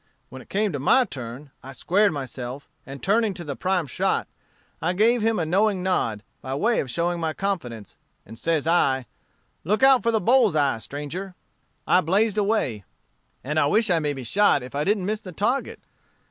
When it came to my turn, I squared myself, and turning to the prime shot, I gave him a knowing nod, by way of showing my confidence; and says I, 'Look out for the bull's eye, stranger.' I blazed away, and I wish I may be shot if I didn't miss the target.